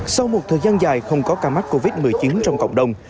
sau một thời gian dài không có ca mắc covid một mươi chín trong cộng đồng